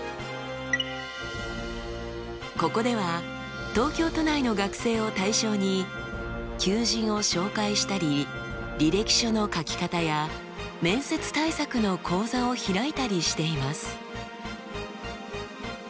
ここでは東京都内の学生を対象に求人を紹介したり履歴書の書き方や面接対策の講座を開いたりしています。